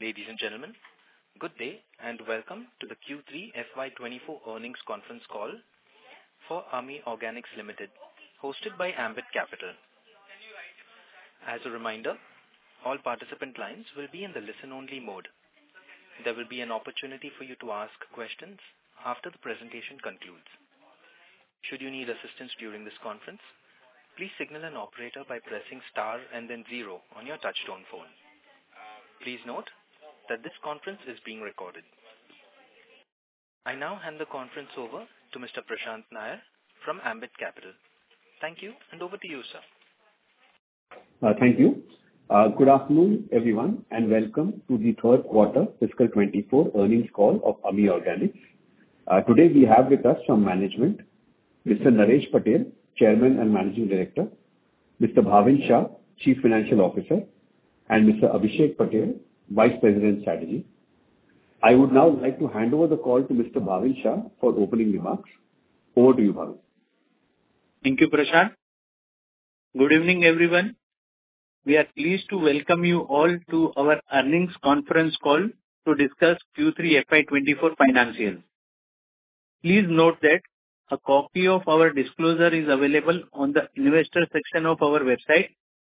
Ladies and gentlemen, good day and welcome to the Q3 FY24 Earnings Conference Call for Ami Organics Limited, hosted by Ambit Capital. As a reminder, all participant lines will be in the listen-only mode. There will be an opportunity for you to ask questions after the presentation concludes. Should you need assistance during this conference, please signal an operator by pressing star and then zero on your touch-tone phone. Please note that this conference is being recorded. I now hand the conference over to Mr. Prashant Nair from Ambit Capital. Thank you, and over to you, sir. Thank you. Good afternoon, everyone, and welcome to the third quarter fiscal 2024 earnings call of Ami Organics. Today we have with us from management: Mr. Naresh Patel, Chairman and Managing Director; Mr. Bhavin Shah, Chief Financial Officer; and Mr. Abhishek Patel, Vice President Strategy. I would now like to hand over the call to Mr. Bhavin Shah for opening remarks. Over to you, Bhavin. Thank you, Prashant. Good evening, everyone. We are pleased to welcome you all to our Earnings Conference Call to discuss Q3 FY24 financials. Please note that a copy of our disclosure is available on the investor section of our website,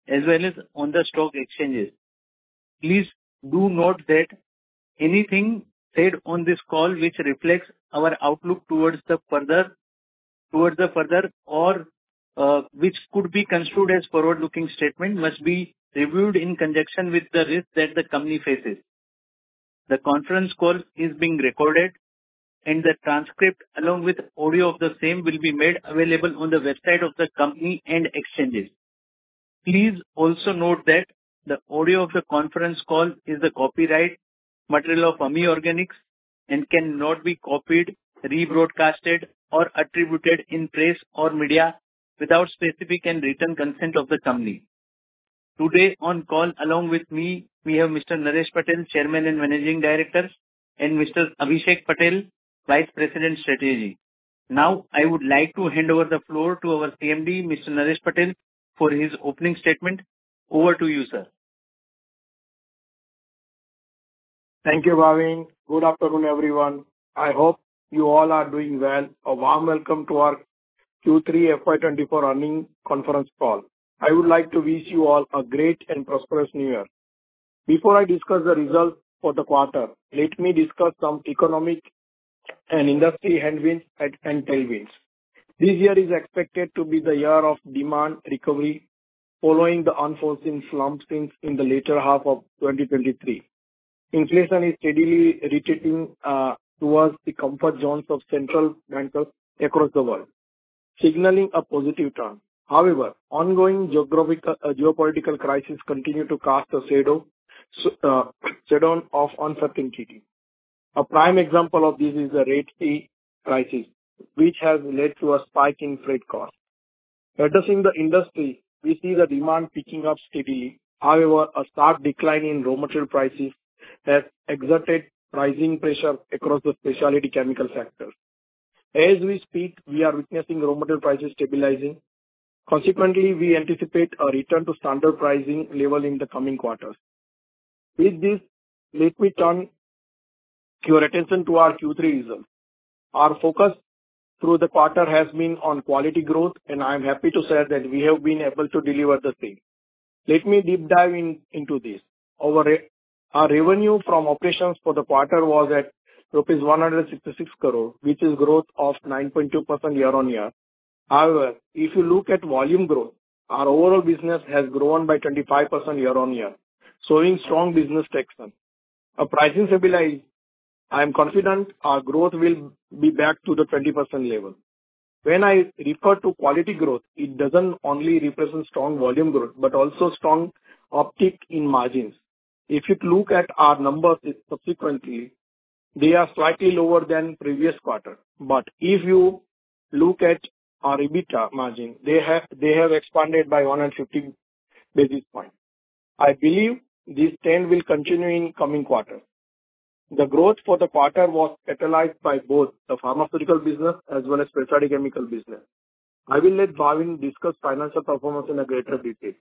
as well as on the stock exchanges. Please do note that anything said on this call which reflects our outlook towards the future or which could be construed as a forward-looking statement must be reviewed in conjunction with the risk that the company faces. The conference call is being recorded, and the transcript along with audio of the same will be made available on the website of the company and exchanges. Please also note that the audio of the conference call is the copyright material of Ami Organics and cannot be copied, rebroadcast, or attributed in press or media without specific and written consent of the company. Today on call along with me, we have Mr. Naresh Patel, Chairman and Managing Director, and Mr. Abhishek Patel, Vice President Strategy. Now, I would like to hand over the floor to our CMD, Mr. Naresh Patel, for his opening statement. Over to you, sir. Thank you, Bhavin. Good afternoon, everyone. I hope you all are doing well. A warm welcome to our Q3 FY24 Earnings Conference Call. I would like to wish you all a great and prosperous New Year. Before I discuss the results for the quarter, let me discuss some economic and industry headwinds and tailwinds. This year is expected to be the year of demand recovery following the unfolding slump since the later half of 2023. Inflation is steadily retreating towards the comfort zones of central bankers across the world, signaling a positive turn. However, ongoing geopolitical crises continue to cast a shadow on uncertainty. A prime example of this is the Red Sea crisis, which has led to a spike in freight costs. Addressing the industry, we see the demand picking up steadily. However, a sharp decline in raw material prices has exerted pricing pressure across the specialty chemical sector. As we speak, we are witnessing raw material prices stabilizing. Consequently, we anticipate a return to standard pricing level in the coming quarters. With this, let me turn your attention to our Q3 results. Our focus through the quarter has been on quality growth, and I'm happy to say that we have been able to deliver the same. Let me deep dive into this. Our revenue from operations for the quarter was at rupees 166 crore, which is growth of 9.2% year-over-year. However, if you look at volume growth, our overall business has grown by 25% year-over-year, showing strong business traction. A pricing stabilization, I'm confident our growth will be back to the 20% level. When I refer to quality growth, it doesn't only represent strong volume growth but also strong uptick in margins. If you look at our numbers subsequently, they are slightly lower than previous quarter. But if you look at our EBITDA margin, they have expanded by 150 basis points. I believe this trend will continue in the coming quarter. The growth for the quarter was catalyzed by both the pharmaceutical business as well as the specialty chemical business. I will let Bhavin discuss financial performance in greater detail.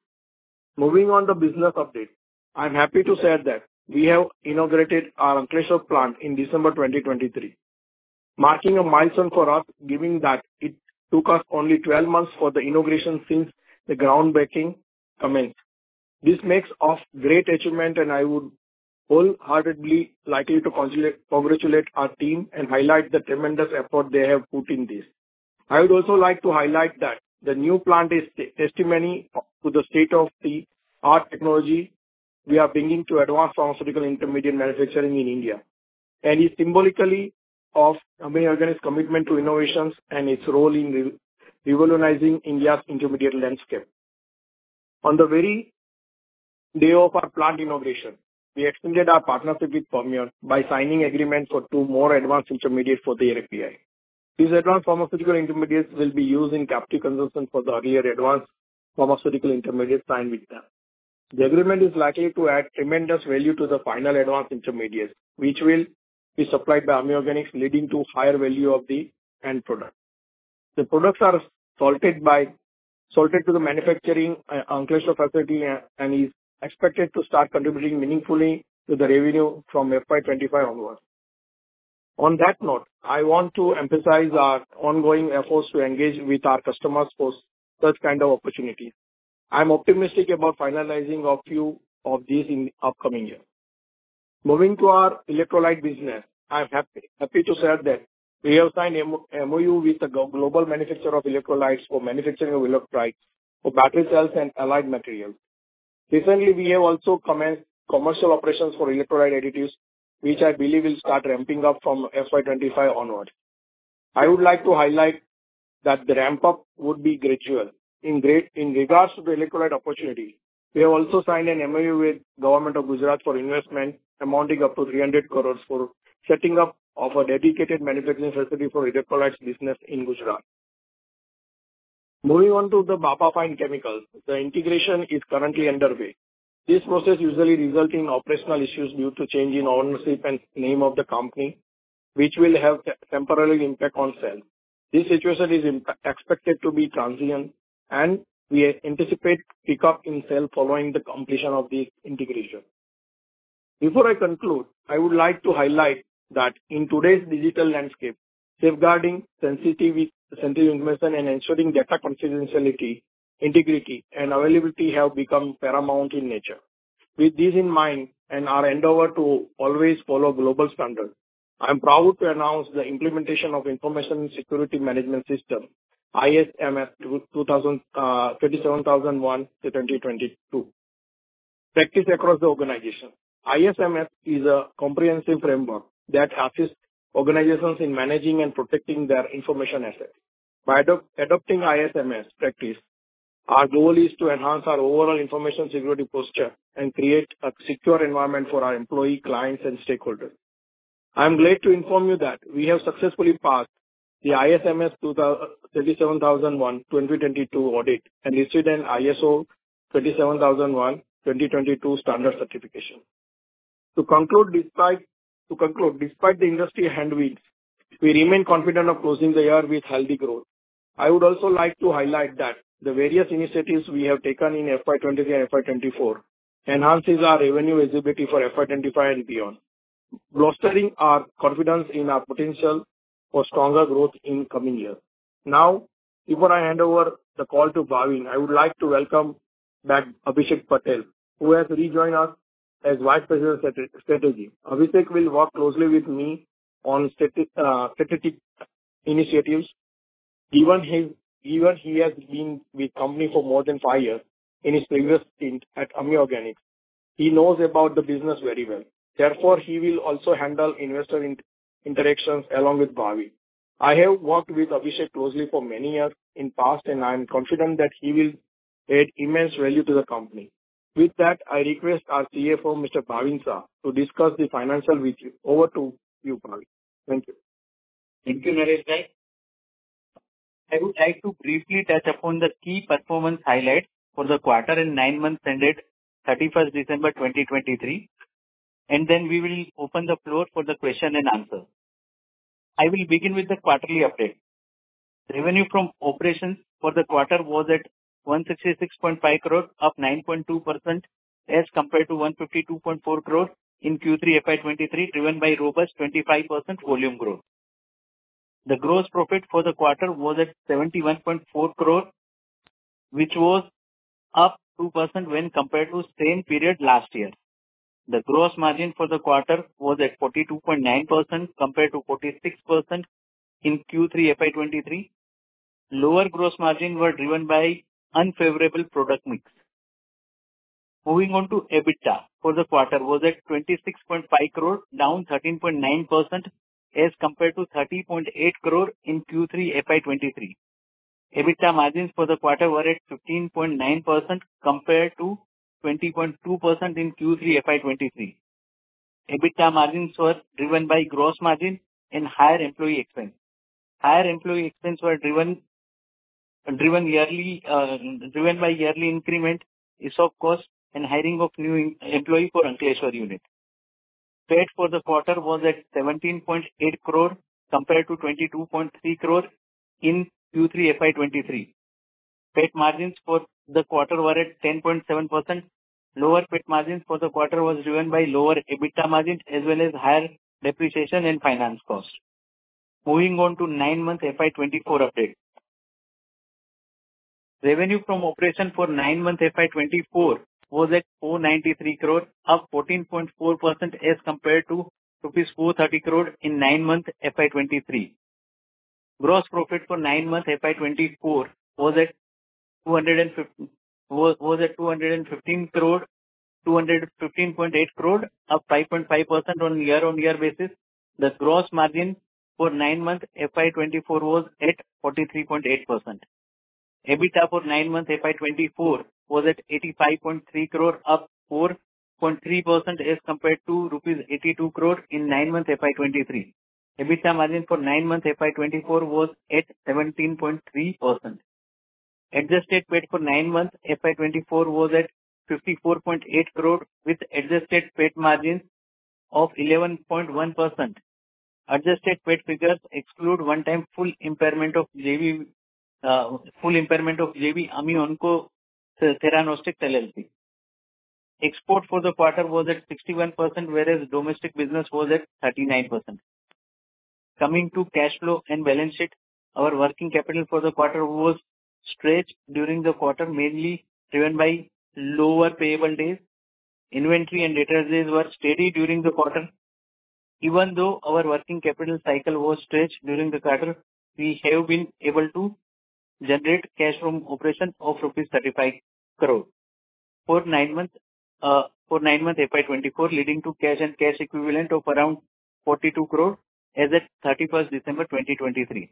Moving on to the business update, I'm happy to say that we have inaugurated our Ankleshwar plant in December 2023, marking a milestone for us given that it took us 12 months for the inauguration since the groundbreaking commenced. This makes us a great achievement, and I would wholeheartedly like to congratulate our team and highlight the tremendous effort they have put in this. I would also like to highlight that the new plant is a testimony to the state-of-the-art technology we are bringing to advanced pharmaceutical intermediate manufacturing in India, and is symbolic of Ami Organics' commitment to innovations and its role in revolutionizing India's intermediate landscape. On the very day of our plant inauguration, we extended our partnership with Fermion by signing an agreement for two more advanced intermediates for the API. These advanced pharmaceutical intermediates will be used in captive consumption for the earlier advanced pharmaceutical intermediates signed with them. The agreement is likely to add tremendous value to the final advanced intermediates, which will be supplied by Ami Organics, leading to higher value of the end product. The products are slated to the manufacturing Ankleshwar facility and are expected to start contributing meaningfully to the revenue from FY25 onwards. On that note, I want to emphasize our ongoing efforts to engage with our customers for such kinds of opportunities. I'm optimistic about finalizing a few of these in the upcoming year. Moving to our electrolyte business, I'm happy to say that we have signed an MOU with the global manufacturer of electrolytes for manufacturing of electrolytes for battery cells and allied materials. Recently, we have also commenced commercial operations for electrolyte additives, which I believe will start ramping up from FY25 onwards. I would like to highlight that the ramp-up would be gradual. In regards to the electrolyte opportunity, we have also signed an MOU with the Government of Gujarat for investment amounting up to 300 crore for setting up a dedicated manufacturing facility for electrolytes business in Gujarat. Moving on to the Baba Fine Chemicals, the integration is currently underway. This process usually results in operational issues due to changes in ownership and the name of the company, which will have a temporary impact on sales. This situation is expected to be transient, and we anticipate pickup in sales following the completion of this integration. Before I conclude, I would like to highlight that in today's digital landscape, safeguarding sensitive information and ensuring data confidentiality, integrity, and availability have become paramount in nature. With these in mind and our endowment to always follow global standards, I'm proud to announce the implementation of the Information Security Management system, ISMS 27001:2022 practice across the organization: ISMS is a comprehensive framework that assists organizations in managing and protecting their information assets. By adopting ISMS practice, our goal is to enhance our overall information security posture and create a secure environment for our employees, clients, and stakeholders. I'm glad to inform you that we have successfully passed the ISMS 27001:2022 audit and received an ISO 27001:2022 standard certification. To conclude, despite the industry headwinds, we remain confident in closing the year with healthy growth. I would also like to highlight that the various initiatives we have taken in FY23 and FY24 enhance our revenue visibility for FY25 and beyond, bolstering our confidence in our potential for stronger growth in the coming year. Now, before I hand over the call to Bhavin, I would like to welcome back Abhishek Patel, who has rejoined us as Vice President Strategy. Abhishek will work closely with me on strategic initiatives. Even he has been with the company for more than five years in his previous stint at Ami Organics, he knows about the business very well. Therefore, he will also handle investor interactions along with Bhavin. I have worked with Abhishek closely for many years in the past, and I'm confident that he will add immense value to the company. With that, I request our CFO, Mr. Bhavin Shah, to discuss the financials with you. Over to you, Bhavin. Thank you. Thank you, Naresh. I would like to briefly touch upon the key performance highlights for the quarter and nine-months ended 31st December 2023, and then we will open the floor for the question and answer. I will begin with the quarterly update. Revenue from operations for the quarter was at 166.5 crore, up 9.2% as compared to 152.4 crore in Q3 FY23, driven by robust 25% volume growth. The gross profit for the quarter was at 71.4 crore, which was up 2% when compared to the same period last year. The gross margin for the quarter was at 42.9% compared to 46% in Q3 FY23. Lower gross margins were driven by an unfavorable product mix. Moving on to EBITDA for the quarter was at 26.5 crore, down 13.9% as compared to 30.8 crore in Q3 FY23. EBITDA margins for the quarter were at 15.9% compared to 20.2% in Q3 FY23. EBITDA margins were driven by gross margin and higher employee expense. Higher employee expense was driven by yearly increment, ESOP cost, and hiring of new employees for the Ankleshwar unit. PAT for the quarter was at 17.8 crore compared to 22.3 crore in Q3 FY 2023. PAT margins for the quarter were at 10.7%. Lower PAT margins for the quarter were driven by lower EBITDA margin as well as higher depreciation and finance costs. Moving on to nine-month FY 2024 update. Revenue from operations for nine-month FY 2024 was at 493 crore, up 14.4% as compared to rupees 430 crore in nine-month FY 2023. Gross profit for nine-month FY 2024 was at 215.8 crore, up 5.5% on a year-on-year basis. The gross margin for nine-month FY 2024 was at 43.8%. EBITDA for nine-month FY 2024 was at 85.3 crore, up 4.3% as compared to rupees 82 crore in nine-month FY 2023. EBITDA margin for nine-month FY24 was at 17.3%. Adjusted PAT for nine-month FY24 was at 54.8 crore with adjusted PAT margin of 11.1%. Adjusted PAT figures exclude one-time full impairment of JV Ami Onco-Theranostics, LLC. Export for the quarter was at 61%, whereas domestic business was at 39%. Coming to cash flow and balance sheet, our working capital for the quarter was stretched during the quarter, mainly driven by lower payable days. Inventory and return days were steady during the quarter. Even though our working capital cycle was stretched during the quarter, we have been able to generate cash from operations of INR 35 crore for nine-month FY24, leading to cash and cash equivalent of around 42 crore as of 31st December 2023.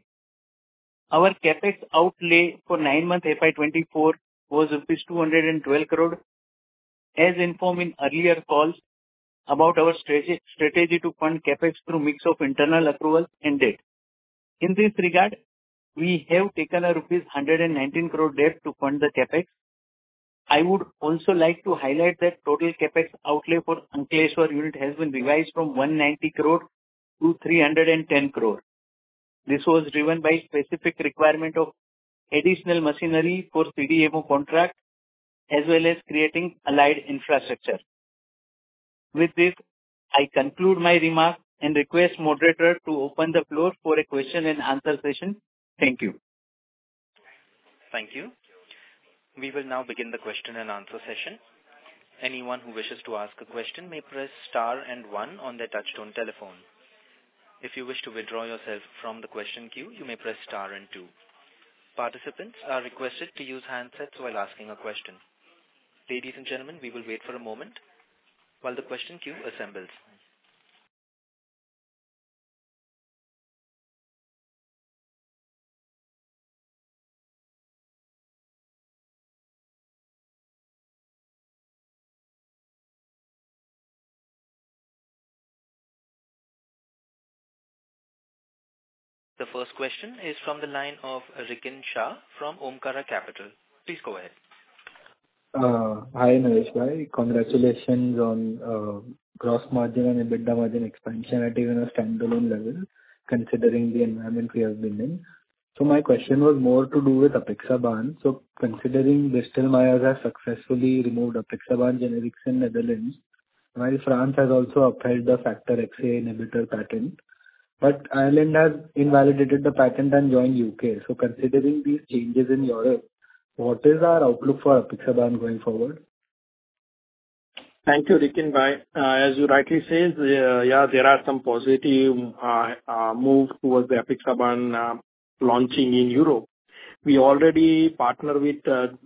Our CapEx outlay for nine-month FY24 was rupees 212 crore. As informed in earlier calls about our strategy to fund CapEx through a mix of internal accruals and debt. In this regard, we have taken a rupees 119 crore debt to fund the CapEx. I would also like to highlight that total CapEx outlay for the Ankleshwar unit has been revised from 190 crore to 310 crore. This was driven by the specific requirement of additional machinery for the CDMO contract as well as creating allied infrastructure. With this, I conclude my remarks and request the moderator to open the floor for a question and answer session. Thank you. Thank you. We will now begin the question and answer session. Anyone who wishes to ask a question may press star and one on their touch-tone telephone. If you wish to withdraw yourself from the question queue, you may press star and two. Participants are requested to use handsets while asking a question. Ladies and gentlemen, we will wait for a moment while the question queue assembles. The first question is from the line of Rikin Shah from Omkara Capital. Please go ahead. Hi, Nareshbhai. Congratulations on gross margin and EBITDA margin expansion at even a standalone level considering the environment we have been in. My question was more to do with Apixaban. Considering Bristol Myers Squibb has successfully removed Apixaban generics in the Netherlands, while France has also upheld the Factor Xa inhibitor patent, but Ireland has invalidated the patent and joined the UK. Considering these changes in Europe, what is our outlook for Apixaban going forward? Thank you, Rikinbhai. As you rightly say, yeah, there are some positive moves towards the Apixaban launching in Europe. We already partner with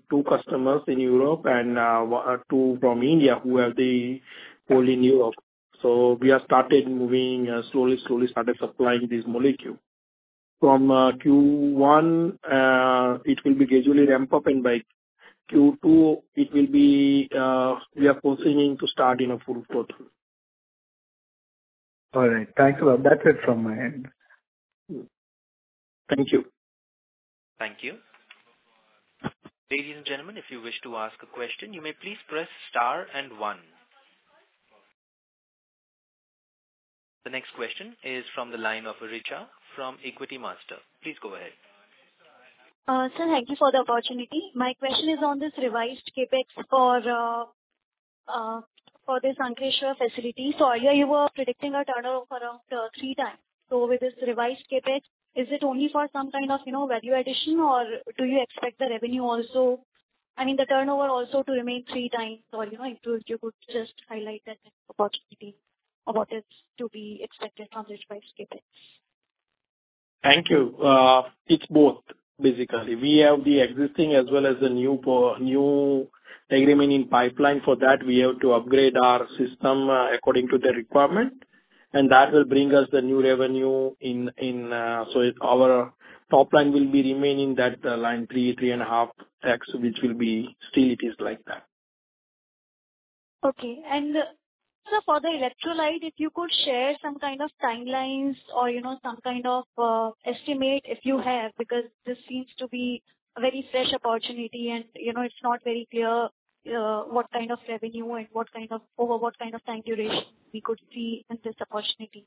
two customers in Europe and two from India who have the hold in Europe. So, we have started moving slowly, slowly started supplying this molecule. From Q1, it will be gradually ramped up, and by Q2, we are pursuing to start in a full throttle. All right. Thanks a lot. That's it from my end. Thank you. Thank you. Ladies and gentlemen, if you wish to ask a question, you may please press star and one. The next question is from the line of Richa from Equitymaster. Please go ahead. Sir, thank you for the opportunity. My question is on this revised CapEx for this Ankleshwar facility. So, earlier, you were predicting a turnover of around 3x. So, with this revised CapEx, is it only for some kind of value addition, or do you expect the revenue also I mean, the turnover also to remain 3x? Or if you could just highlight that opportunity or what is to be expected from this revised CapEx? Thank you. It's both, basically. We have the existing as well as the new agreement in pipeline. For that, we have to upgrade our system according to the requirement, and that will bring us the new revenue in so our top line will remain in that line 3-3.5x, which will be still it is like that. Okay. And sir, for the electrolyte, if you could share some kind of timelines or some kind of estimate if you have because this seems to be a very fresh opportunity, and it's not very clear what kind of revenue and over what kind of time duration we could see in this opportunity.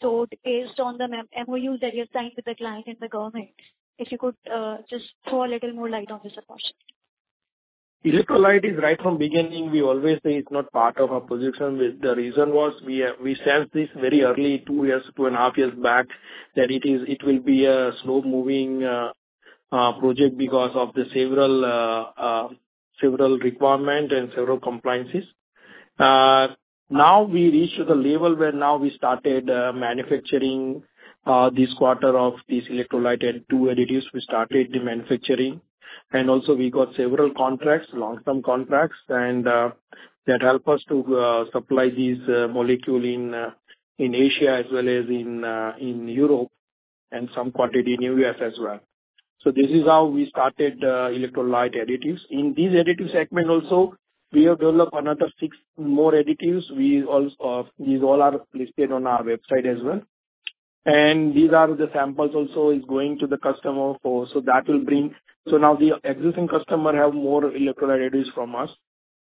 So, based on the MOUs that you've signed with the client and the government, if you could just throw a little more light on this opportunity. Electrolyte is right from the beginning. We always say it's not part of our position. The reason was we sensed this very early, 2 years, 2.5 years back, that it will be a slow-moving project because of the several requirements and several compliances. Now, we reached the level where now we started manufacturing this quarter of this electrolyte and two additives. We started the manufacturing. And also, we got several contracts, long-term contracts, that help us to supply this molecule in Asia as well as in Europe and some quantity in the U.S. as well. So, this is how we started electrolyte additives. In this additive segment also, we have developed another 6 more additives. These all are listed on our website as well. And these are the samples also going to the customer, for so that will bring so now, the existing customer has more electrolyte additives from us,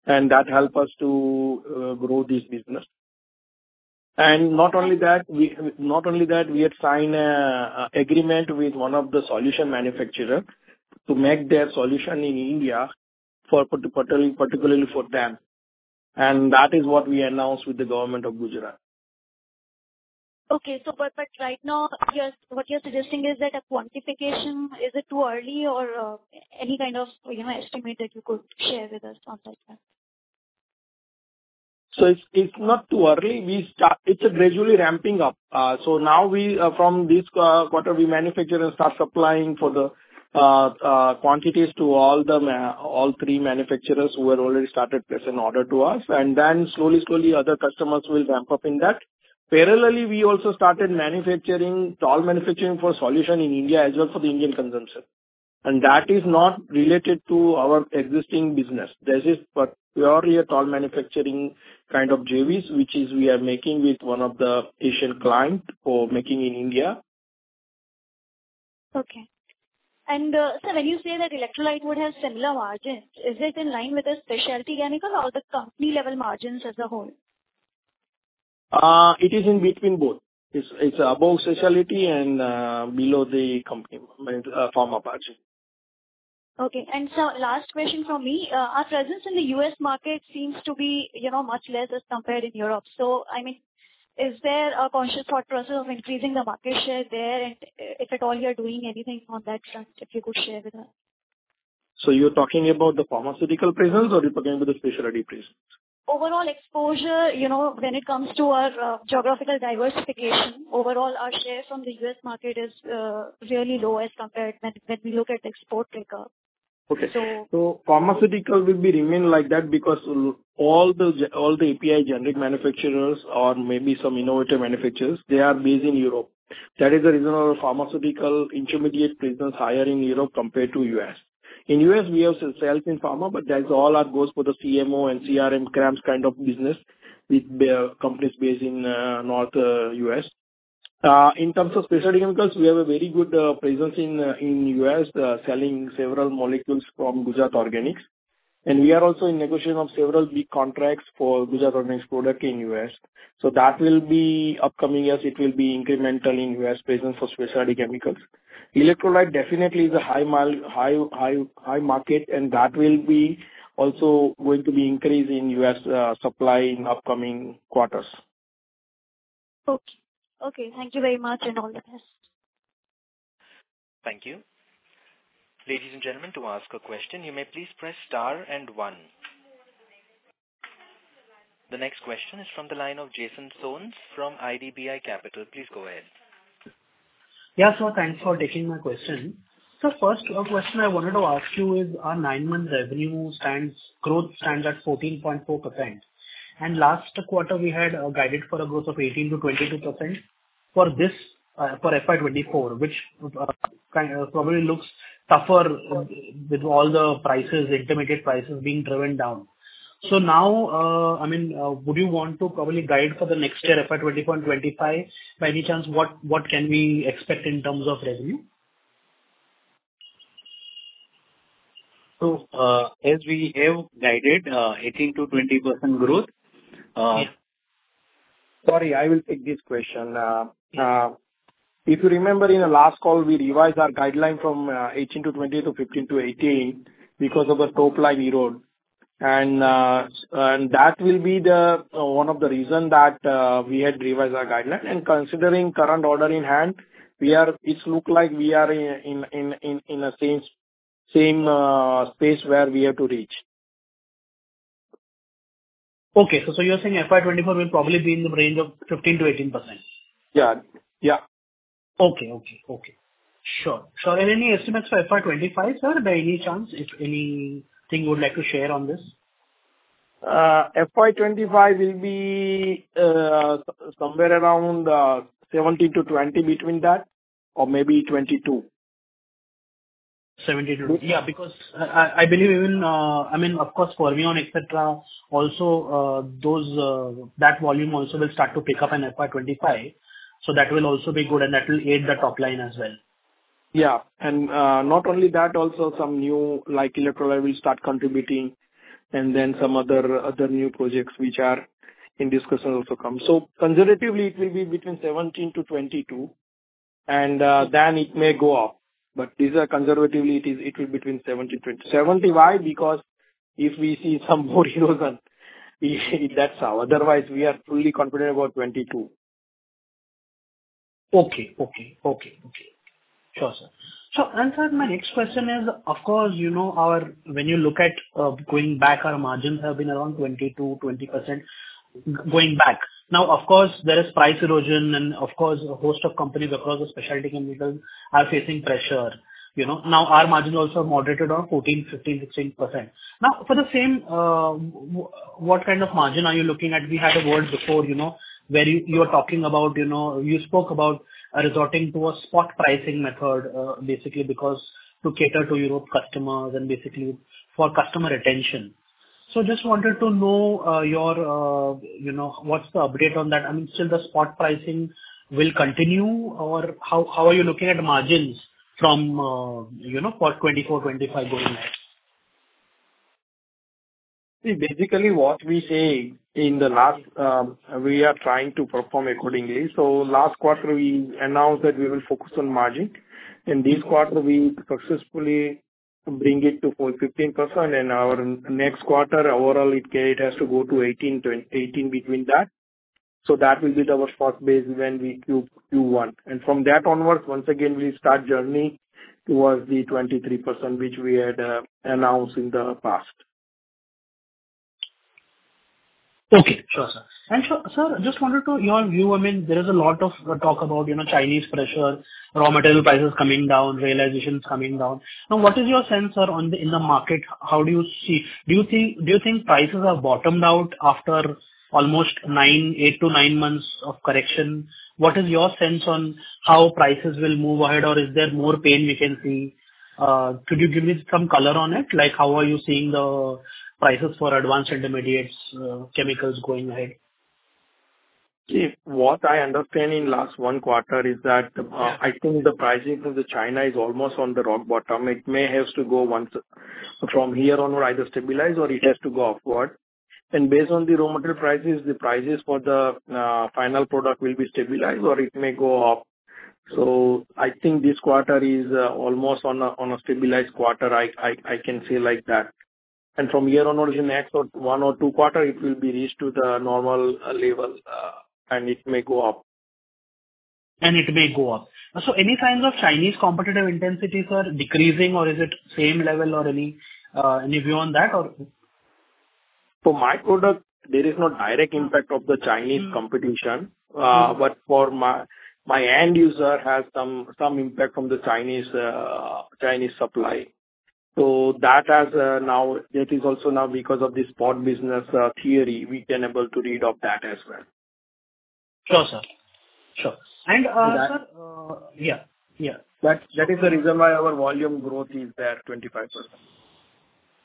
and that helps us to grow this business. And not only that, not only that, we had signed an agreement with one of the solution manufacturers to make their solution in India, particularly for them. And that is what we announced with the Government of Gujarat. Okay. But right now, what you're suggesting is that a quantification. Is it too early or any kind of estimate that you could share with us on that? So, it's not too early. It's gradually ramping up. So now, from this quarter, we manufacture and start supplying for the quantities to all three manufacturers who have already started placing orders to us. And then slowly, slowly, other customers will ramp up in that. Parallelly, we also started all manufacturing for solution in India as well for the Indian consumption. And that is not related to our existing business. This is pure, you're talking manufacturing kind of JVs, which we are making with one of the Asian clients or making in India. Okay. And sir, when you say that electrolyte would have similar margins, is it in line with the specialty chemical or the company-level margins as a whole? It is in between both. It's above specialty and below the company pharma margin. Okay. Sir, last question from me. Our presence in the U.S. market seems to be much less as compared to Europe. So, I mean, is there a conscious thought process of increasing the market share there? And if at all, you're doing anything on that front, if you could share with us. You're talking about the pharmaceutical presence, or you're talking about the specialty presence? Overall exposure. When it comes to our geographical diversification, overall, our share from the U.S. market is really low as compared when we look at the export record. Okay. So, pharmaceutical will remain like that because all the API generic manufacturers or maybe some innovative manufacturers, they are based in Europe. That is the reason our pharmaceutical intermediate presence is higher in Europe compared to the U.S. In the U.S., we have sales in pharma, but that all goes for the CMO and CRAMS kind of business with companies based in North U.S. In terms of specialty chemicals, we have a very good presence in the U.S., selling several molecules from Gujarat Organics. And we are also in negotiation of several big contracts for Gujarat Organics products in the U.S. So, that will be upcoming as it will be incremental in the U.S. presence for specialty chemicals. Electrolyte definitely is a high market, and that will also going to be increased in the U.S. supply in upcoming quarters. Okay. Okay. Thank you very much, and all the best. Thank you. Ladies and gentlemen, to ask a question, you may please press star and one. The next question is from the line of Jason Soans from IDBI Capital. Please go ahead. Yeah. So, thanks for taking my question. So, first question I wanted to ask you is, our nine month revenue growth stands at 14.4%. And last quarter, we had guided for a growth of 18%-22% for FY2024, which probably looks tougher with all the intermediate prices being driven down. So now, I mean, would you want to probably guide for the next year, FY2024 and 2025, by any chance, what can we expect in terms of revenue? So, as we have guided 18%-20% growth. Sorry, I will take this question. If you remember, in the last call, we revised our guideline from 18%-20% to 15%-18% because of the top line erode. And that will be one of the reasons that we had revised our guideline. And considering current order in hand, it looks like we are in the same space where we have to reach. Okay. So, you're saying FY24 will probably be in the range of 15%-18%? Yeah. Yeah. Okay. Sure. Any estimates for FY25, sir, by any chance, if anything you would like to share on this? FY25 will be somewhere around 17-20 between that or maybe 22. 70 to 22. Yeah. Because I believe even I mean, of course, Fermion, etc., also that volume also will start to pick up in FY25. So that will also be good, and that will aid the top line as well. Yeah. And not only that, also some new electrolyte will start contributing, and then some other new projects which are in discussion also come. So conservatively, it will be between 17-22, and then it may go up. But conservatively, it will be between 70-75. Why? Because if we see some more erosion, that's how. Otherwise, we are fully confident about 22. Sure, sir. So, and sir, my next question is, of course, when you look at going back, our margins have been around 22-20% going back. Now, of course, there is price erosion, and of course, a host of companies across the specialty chemicals are facing pressure. Now, our margins also are moderated on 14%, 15%, 16%. Now, for the same, what kind of margin are you looking at? We had a word before where you were talking about you spoke about resorting to a spot pricing method, basically, to cater to Europe customers and basically for customer retention. So just wanted to know what's the update on that. I mean, still, the spot pricing will continue, or how are you looking at margins for 2024, 2025 going ahead? Basically, what we say in the last we are trying to perform accordingly. So last quarter, we announced that we will focus on margin. In this quarter, we successfully bring it to 15%. And our next quarter, overall, it has to go to 18% between that. So that will be our spot base when we cube Q1. And from that onwards, once again, we start journey towards the 23%, which we had announced in the past. Okay. Sure, sir. And sir, just wanted to your view. I mean, there is a lot of talk about Chinese pressure, raw material prices coming down, realizations coming down. Now, what is your sense, sir, in the market? How do you see? Do you think prices have bottomed out after almost eight to nine months of correction? What is your sense on how prices will move ahead, or is there more pain we can see? Could you give me some color on it? How are you seeing the prices for advanced intermediates chemicals going ahead? What I understand in the last one quarter is that I think the pricing for China is almost on the rock bottom. It may have to go once from here onward, either stabilize or it has to go upward. Based on the raw material prices, the prices for the final product will be stabilized, or it may go up. I think this quarter is almost on a stabilized quarter. I can say like that. From here onward, in the next one or two quarters, it will be reached to the normal level, and it may go up. It may go up. Any signs of Chinese competitive intensity, sir, decreasing, or is it same level or any view on that, or? For my product, there is no direct impact of the Chinese competition. But for my end user, has some impact from the Chinese supply. So that has now it is also now because of the spot business theory, we can able to read off that as well. Sure, sir. Sure. And sir, yeah. Yeah. That is the reason why our volume growth is there 25%.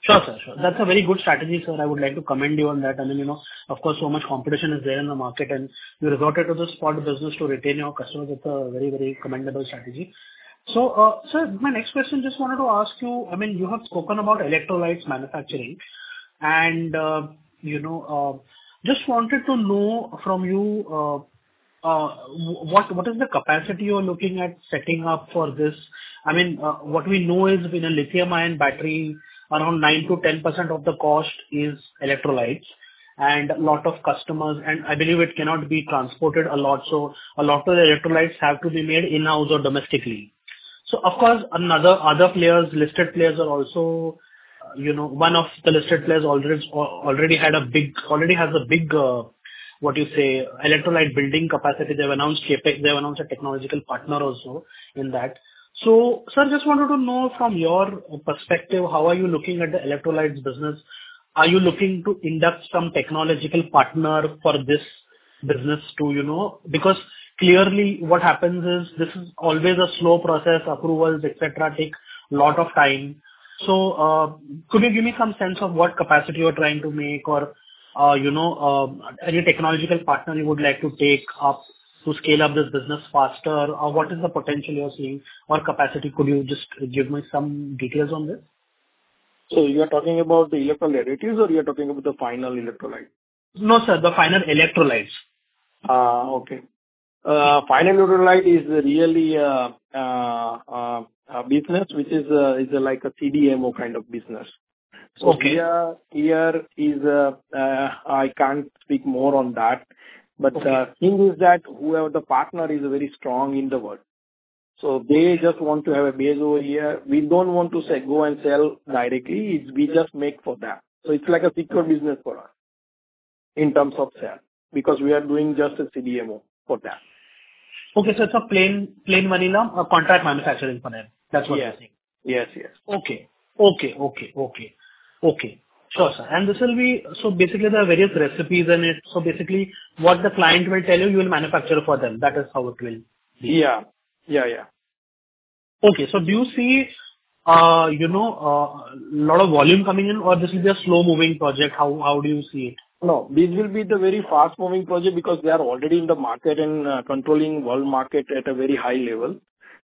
Sure, sir. Sure. That's a very good strategy, sir. I would like to commend you on that. I mean, of course, so much competition is there in the market, and you resorted to the spot business to retain your customers. That's a very, very commendable strategy. So, sir, my next question, just wanted to ask you. I mean, you have spoken about electrolytes manufacturing, and just wanted to know from you what is the capacity you're looking at setting up for this? I mean, what we know is in a lithium-ion battery, around 9%-10% of the cost is electrolytes and a lot of customers. And I believe it cannot be transported a lot. So a lot of the electrolytes have to be made in-house or domestically. So, of course, other listed players are also one of the listed players already has a big, what do you say, electrolyte building capacity. They've announced a technological partner also in that. So, sir, just wanted to know from your perspective, how are you looking at the electrolytes business? Are you looking to induct some technological partner for this business too? Because clearly, what happens is this is always a slow process. Approvals, etc., take a lot of time. So could you give me some sense of what capacity you're trying to make or any technological partner you would like to take up to scale up this business faster? What is the potential you're seeing or capacity? Could you just give me some details on this? You are talking about the electrolyte additives, or you are talking about the final electrolyte? No, sir. The final electrolytes. Okay. Final electrolyte is really a business which is like a CDMO kind of business. So here is I can't speak more on that. But the thing is that whoever the partner is very strong in the world. So they just want to have a base over here. We don't want to go and sell directly. We just make for them. So it's like a secret business for us in terms of sale because we are doing just a CDMO for that. Okay. So it's a plain vanilla contract manufacturing for them. That's what you're saying? Yes. Yes. Yes. Okay. Sure, sir. This will be so basically, there are various recipes in it. So basically, what the client will tell you, you will manufacture for them. That is how it will be. Yeah. Yeah. Yeah. Okay. So do you see a lot of volume coming in, or this will be a slow-moving project? How do you see it? No. This will be the very fast-moving project because they are already in the market and controlling world market at a very high level.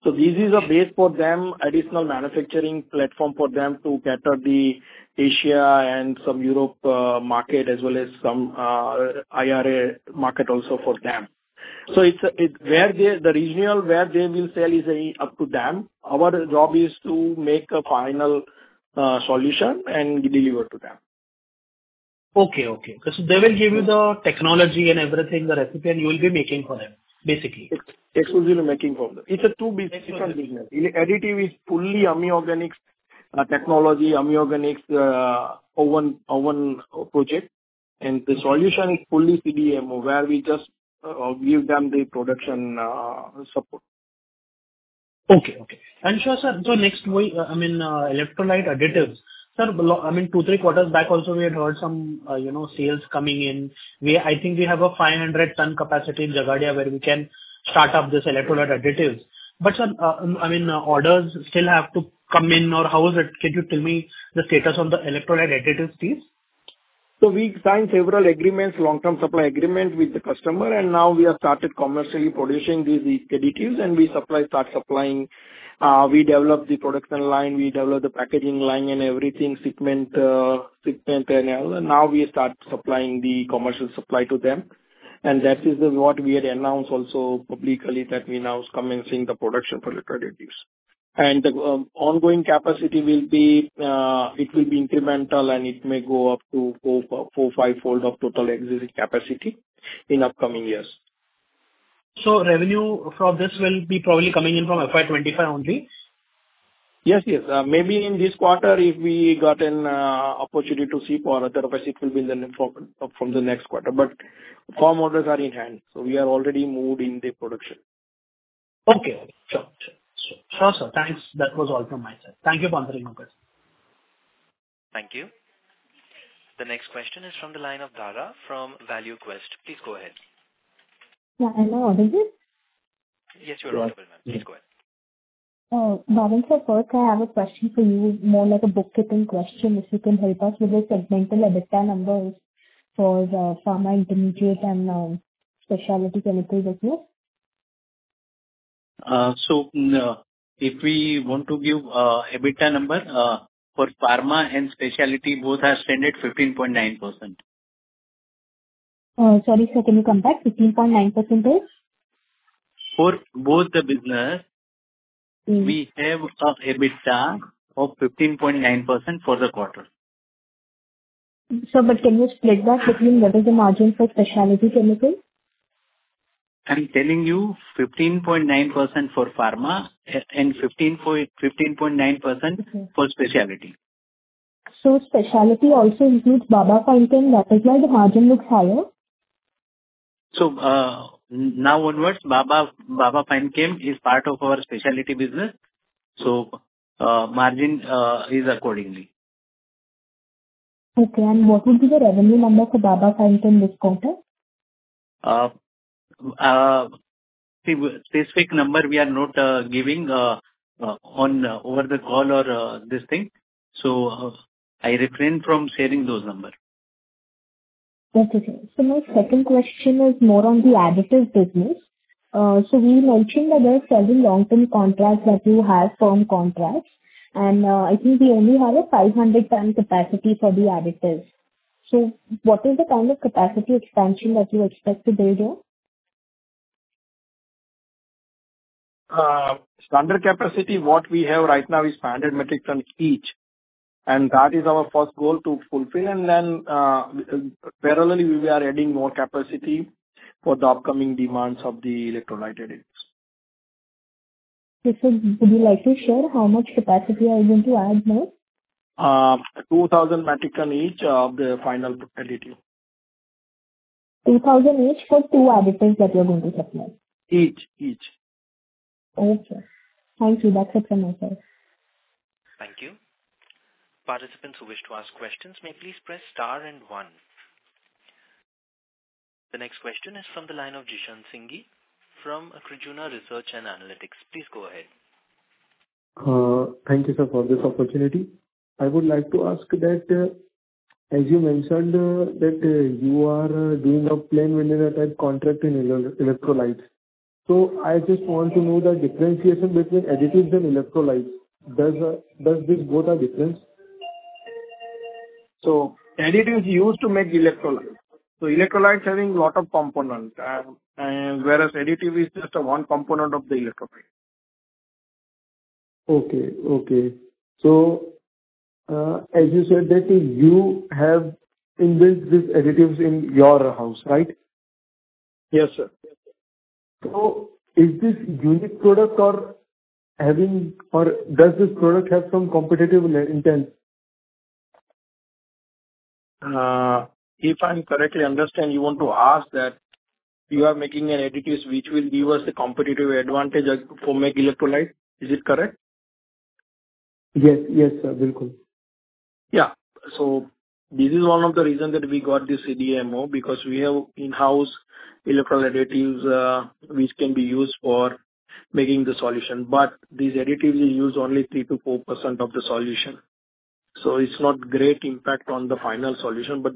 So this is a base for them, additional manufacturing platform for them to cater the Asia and some Europe market as well as some Ireland market also for them. So the region where they will sell is up to them. Our job is to make a final solution and deliver to them. Okay. Okay. So they will give you the technology and everything, the recipe, and you will be making for them, basically? Exclusively making for them. It's two different business. Additive is fully Ami Organics technology, Ami Organics own project. And the solution is fully CDMO where we just give them the production support. Okay. Okay. And sure, sir. So next, I mean, electrolyte additives. Sir, I mean, 2, 3 quarters back also, we had heard some sales coming in. I think we have a 500-ton capacity in Jhagadia where we can start up these electrolyte additives. But sir, I mean, orders still have to come in, or how is it? Can you tell me the status on the electrolyte additives piece? So we signed several agreements, long-term supply agreement with the customer. Now we have started commercially producing these additives, and we start supplying. We develop the production line. We develop the packaging line and everything, shipment, and now we start supplying the commercial supply to them. That is what we had announced also publicly that we now are commencing the production for electrolyte additives. The ongoing capacity will be, it will be incremental, and it may go up to 4-5-fold of total existing capacity in upcoming years. Revenue from this will be probably coming in from FY25 only? Yes. Yes. Maybe in this quarter, if we got an opportunity to see for other recipes, it will be from the next quarter. But firm orders are in hand. So we are already moved in the production. Okay. Sure. Sure. Sure, sir. Thanks. That was all from my side. Thank you for answering my question. Thank you. The next question is from the line of Dhruv from ValueQuest. Please go ahead. Yeah. Am I audible? Yes. You're muted, ma'am. Please go ahead. Bhavin, sir, first, I have a question for you, more like a bookkeeping question, if you can help us with the segmental EBITDA numbers for pharma intermediate and specialty chemical business. If we want to give EBITDA number for pharma and specialty, both are standard 15.9%. Sorry, sir. Can you come back? 15.9% is? For both the business, we have an EBITDA of 15.9% for the quarter. Sir, but can you split that between what is the margin for specialty chemicals? I'm telling you 15.9% for pharma and 15.9% for specialty. So specialty also includes Baba Fine Chemicals. That is why the margin looks higher? So now onwards, Baba Fine Chemicals is part of our specialty business. So margin is accordingly. Okay. And what would be the revenue number for Baba Fine Chemicals this quarter? See, specific number we are not giving over the call or this thing. So I refrain from sharing those numbers. Okay. Okay. So my second question is more on the additives business. So we mentioned that there are several long-term contracts that you have, firm contracts. And I think we only have a 500-ton capacity for the additives. So what is the kind of capacity expansion that you expect to build here? Standard capacity, what we have right now is 500 metric tons each. That is our first goal to fulfill. Then parallelly, we are adding more capacity for the upcoming demands of the electrolyte additives. Okay. So would you like to share how much capacity are you going to add now? 2,000 metric tons each of the final additive. 2,000 each for two additives that you're going to supply? Each. Each. Okay. Thank you. That's it from my side. Thank you. Participants who wish to ask questions may please press star and one. The next question is from the line of Jishan Singhi from Krijuna Research and Analytics. Please go ahead. Thank you, sir, for this opportunity. I would like to ask that as you mentioned that you are doing a plain vendor-type contract in electrolytes. So I just want to know the differentiation between additives and electrolytes. Does this both have difference? Additives are used to make electrolytes. Electrolytes have a lot of components, whereas additive is just one component of the electrolyte. Okay. Okay. So as you said that you have inbuilt these additives in-house, right? Yes, sir. So, is this unique product, or does this product have some competitive intent? If I'm correctly understanding, you want to ask that you are making an additive which will give us the competitive advantage for making electrolytes. Is it correct? Yes. Yes, sir. Bilkul. Yeah. So this is one of the reasons that we got this CDMO because we have in-house electrolyte additives which can be used for making the solution. But these additives are used only 3%-4% of the solution. So it's not great impact on the final solution. But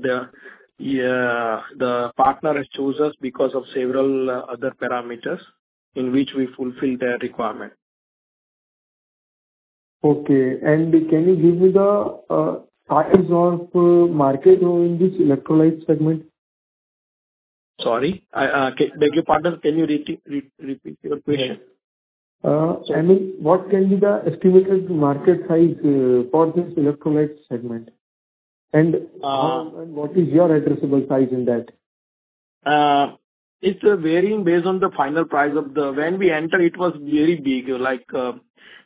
the partner has chosen us because of several other parameters in which we fulfill their requirement. Okay. Can you give me the size of market in this electrolyte segment? Sorry. Can you repeat your question? Yes. I mean, what can be the estimated market size for this electrolyte segment? And what is your addressable size in that? It's varying based on the final price of the when we enter, it was very big, around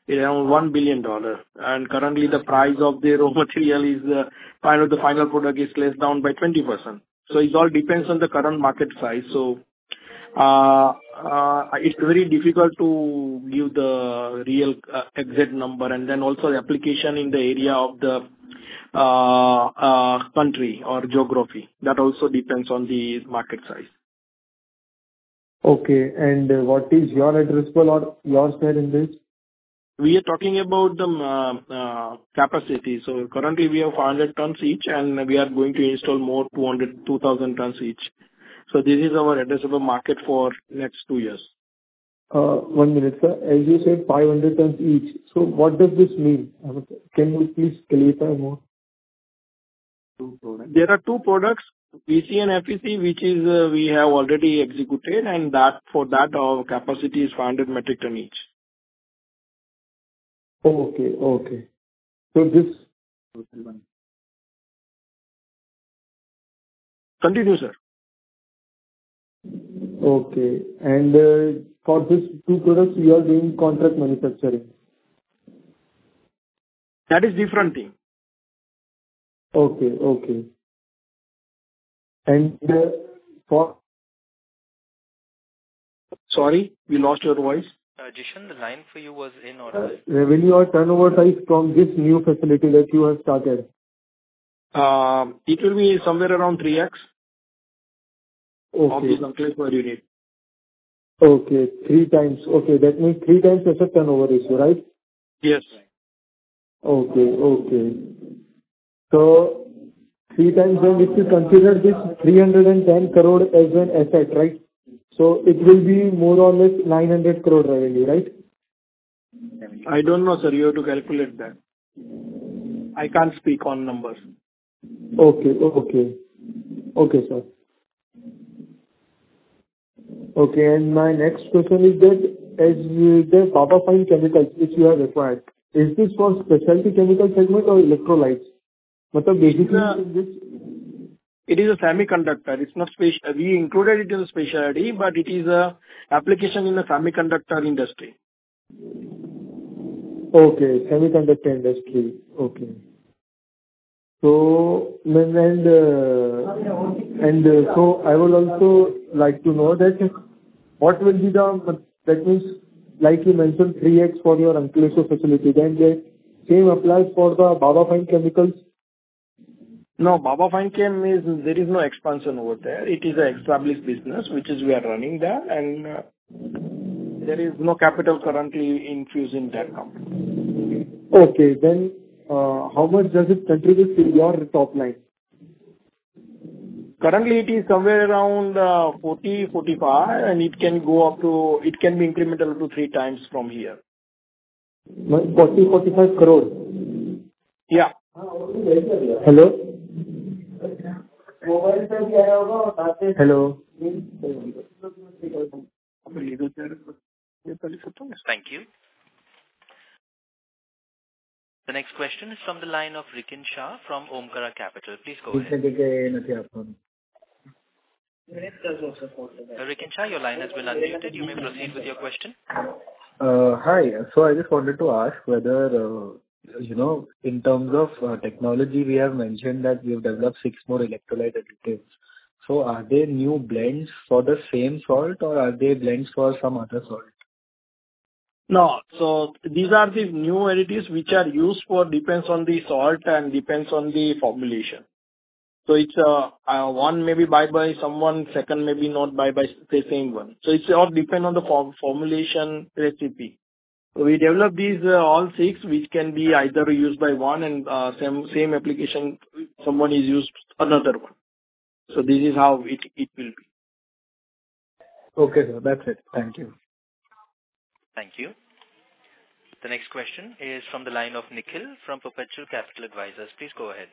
$1 billion. And currently, the price of the raw material is the final product is less down by 20%. So it all depends on the current market size. So it's very difficult to give the real exact number. And then also the application in the area of the country or geography, that also depends on the market size. Okay. And what is your addressable or your share in this? We are talking about the capacity. So currently, we have 500 tons each, and we are going to install more 2,000 tons each. So this is our addressable market for next two years. One minute, sir. As you said, 500 tons each. So what does this mean? Can you please clarify more? There are two products, VC and FEC, which we have already executed. For that, our capacity is 500 metric tons each. Okay. Okay. So this. Continue, sir. Okay. And for these two products, you are doing contract manufacturing? That is different thing. Okay. Okay. And for. Sorry. We lost your voice. Jishan, the line for you was in order. Revenue or turnover size from this new facility that you have started? It will be somewhere around 3x of the numbers where you need. Okay. 3x. Okay. That 3x asset turnover ratio, right? Yes. Okay. Okay. So three times then, if you consider this 310 crore as an asset, right? So it will be more or less 900 crore revenue, right? I don't know, sir. You have to calculate that. I can't speak on numbers. Okay, sir. My next question is that as the Baba Fine Chemicals which you have acquired, is this for specialty chemical segment or electrolytes? It is a semiconductor. We included it in the specialty, but it is an application in the semiconductor industry. Okay. Semiconductor industry. Okay. And so I would also like to know that what will be the that means, like you mentioned, 3X for your Ankleshwar facility. Then the same applies for the Baba Fine Chemicals? No, Baba Fine Chemicals, there is no expansion over there. It is an established business which we are running there. There is no capital currently infusing that company. Okay. Then how much does it contribute to your top line? Currently, it is somewhere around 40-45. It can go up to, it can be incremental up to three times from here. crore-INR 45 crore? Yeah. Hello? Thank you. The next question is from the line of Rikin Shah from Omkara Capital. Please go ahead. Rikin Shah, your line has been unmuted. You may proceed with your question. Hi. So I just wanted to ask whether in terms of technology, we have mentioned that we have developed six more electrolyte additives. So are they new blends for the same salt, or are they blends for some other salt? No. So these are the new additives which are used for depends on the salt and depends on the formulation. So one may be bought by someone, second may be not bought by the same one. So it all depends on the formulation recipe. So we develop these all six which can be either used by one and same application, someone is used another one. So this is how it will be. Okay, sir. That's it. Thank you. Thank you. The next question is from the line of Nikhil from Perpetual Capital Advisors. Please go ahead.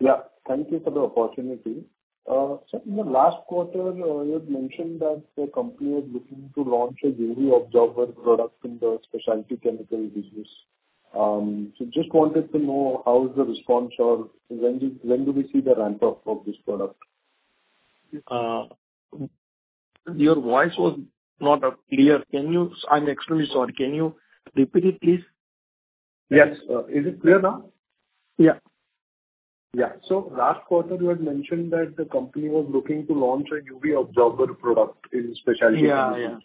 Yeah. Thank you for the opportunity. Sir, in the last quarter, you had mentioned that the company is looking to launch a UV absorber product in the specialty chemical business. So just wanted to know how is the response or when do we see the ramp-up of this product? Your voice was not clear. I'm extremely sorry. Can you repeat it, please? Yes. Is it clear now? Yeah. Yeah. So last quarter, you had mentioned that the company was looking to launch a UV absorber product in specialty chemicals.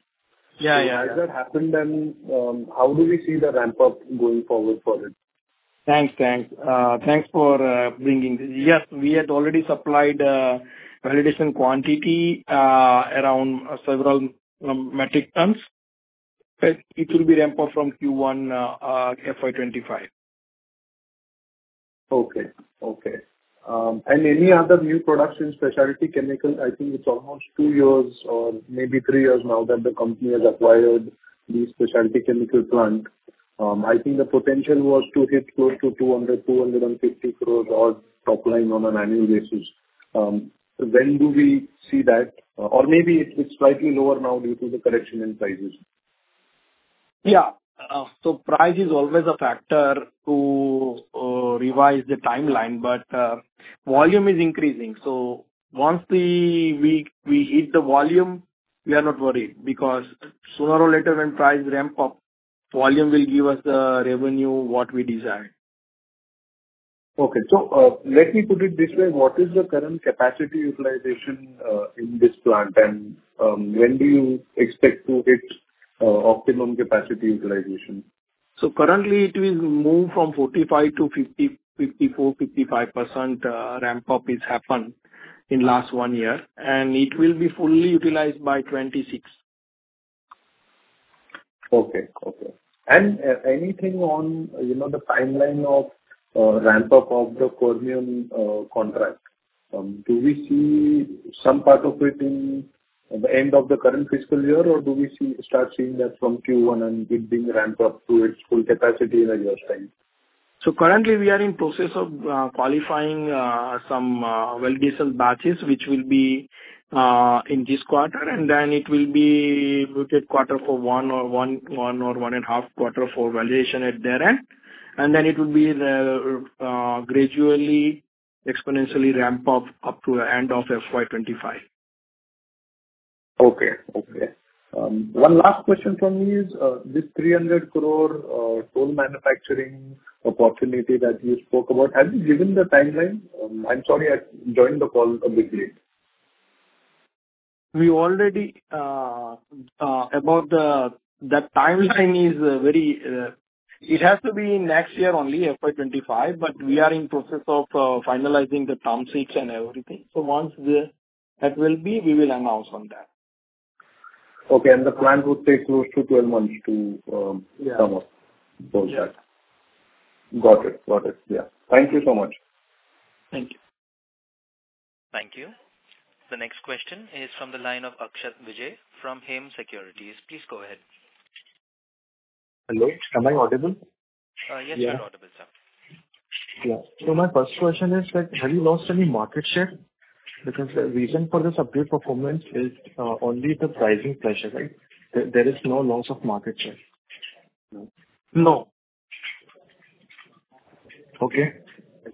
So as that happened, then how do we see the ramp-up going forward for it? Thanks. Thanks. Thanks for bringing this. Yes. We had already supplied validation quantity around several metric tons. It will be ramped up from Q1 FY25. Okay. Okay. Any other new products in specialty chemical? I think it's almost 2 years or maybe 3 years now that the company has acquired this specialty chemical plant. I think the potential was to hit close to 200 crore-250 crore odd top line on an annual basis. When do we see that? Maybe it's slightly lower now due to the correction in prices. Yeah. So price is always a factor to revise the timeline. But volume is increasing. So once we hit the volume, we are not worried because sooner or later, when price ramps up, volume will give us the revenue what we desire. Okay. So let me put it this way. What is the current capacity utilization in this plant? And when do you expect to hit optimum capacity utilization? So currently, it will move from 45%-50%, 54%, 55% ramp-up has happened in the last one year. And it will be fully utilized by 2026. Okay. Okay. And anything on the timeline of ramp-up of the Fermion contract? Do we see some part of it in the end of the current fiscal year, or do we start seeing that from Q1 and it being ramped up to its full capacity in a year's time? Currently, we are in the process of qualifying some validation batches which will be in this quarter. Then it will be another quarter for 1 or 1.5 quarters for validation thereafter. Then it will be gradually, exponentially ramped up to the end of FY25. Okay. Okay. One last question from me is this 300 crore toll manufacturing opportunity that you spoke about, have you given the timeline? I'm sorry. I joined the call a bit late. About that timeline, it is very it has to be next year only, FY25. But we are in the process of finalizing the term sheets and everything. So once that will be, we will announce on that. Okay. And the plant would take close 12 months to come up for that? Yes. Got it. Got it. Yeah. Thank you so much. Thank you. Thank you. The next question is from the line of Akshat Vijay from HEM Securities. Please go ahead. Hello? Am I audible? Yes, you're audible, sir. Yeah. So my first question is that have you lost any market share? Because the reason for this update performance is only the pricing pressure, right? There is no loss of market share? No. Okay.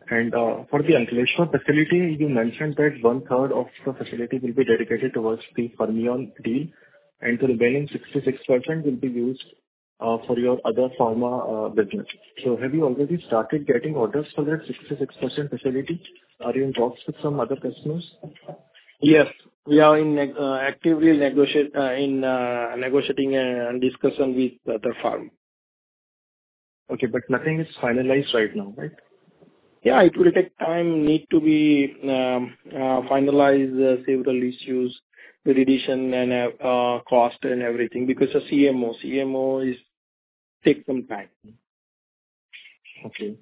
And for the Ankleshwar facility, you mentioned that one-third of the facility will be dedicated towards the Fermion deal. And the remaining 66% will be used for your other pharma business. So have you already started getting orders for that 66% facility? Are you in talks with some other customers? Yes. We are actively negotiating and discussing with the other firm. Okay. Nothing is finalized right now, right? Yeah. It will take time, need to finalize several issues, verification, and cost and everything, because the CMO takes some time. Okay.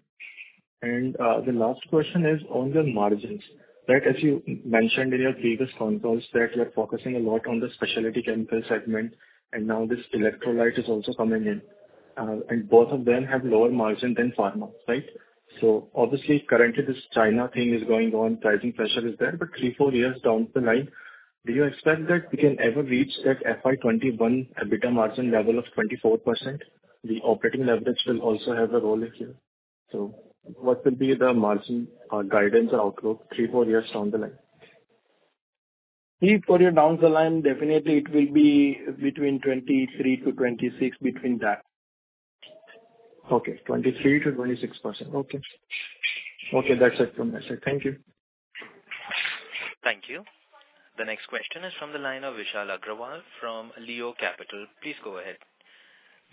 And the last question is on your margins, right? As you mentioned in your previous consults that you're focusing a lot on the specialty chemical segment. And now this electrolyte is also coming in. And both of them have lower margin than pharma, right? So obviously, currently, this China thing is going on. Pricing pressure is there. But 3-4 years down the line, do you expect that we can ever reach that FY21 EBITDA margin level of 24%? The operating leverage will also have a role in here. So what will be the margin guidance or outlook 3-4 years down the line? For your down the line, definitely, it will be between 23-26, between that. Okay. 23%-26%. Okay. Okay. That's it from my side. Thank you. Thank you. The next question is from the line of Vishal Agrawal from Leo Capital. Please go ahead.